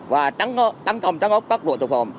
và đánh công trắng ốc bắt buộc tàu phòng